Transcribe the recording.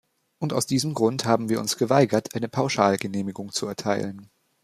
Und aus diesem Grund haben wir uns geweigert, eine Pauschalgenehmigung zu erteilen.